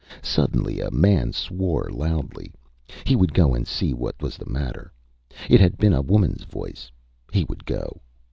Suddenly a man swore loudly. He would go and see what was the matter. It had been a womanÂs voice. He would go.